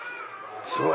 すごい！